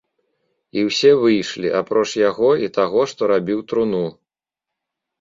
І ўсе выйшлі, апроч яго і таго, што рабіў труну.